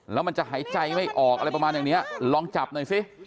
แล้วมันจะหายใจไม่ออกอะไรประมาณอย่างนี้ลองจับหน่อยสิ